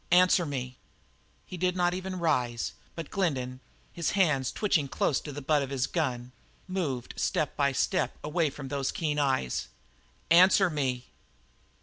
Answer me!" He did not even rise, but Glendin, his hand twitching close to the butt of his gun, moved step by step away from those keen eyes. "Answer me!"